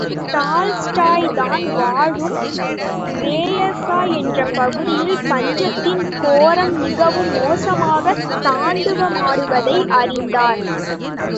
Tolstoy தான் வாழும் ரேயசா என்ற பகுதியில் பஞ்சத்தின் கோரம் மிகவும் மோசமாகத் தாண்டவமாடுவதை அறிந்தார்.